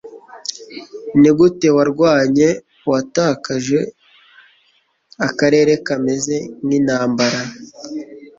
nigute warwanye uwatakaje akarere kameze nkintambara